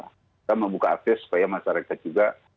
kita membuka akses supaya masyarakat juga